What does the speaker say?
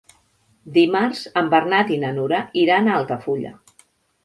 Dimarts en Bernat i na Nura iran a Altafulla.